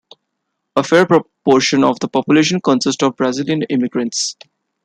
A fair portion of the population consists of Brazilian immigrants.